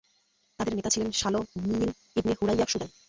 তাদের নেতা ছিলেন শালো মীঈল ইবন হুরইয়া শুদাই।